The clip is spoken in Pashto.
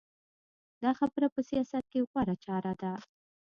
دا خبره په سیاست کې غوره چاره ده.